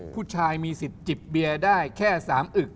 ผู้ชายมีสิทธิ์จิบเบียร์ได้แค่๓อึก